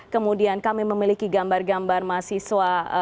kemudian kami memiliki gambar gambar mahasiswa